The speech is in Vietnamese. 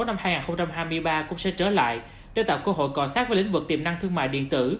năm hai nghìn hai mươi ba cũng sẽ trở lại để tạo cơ hội cò sát với lĩnh vực tiềm năng thương mại điện tử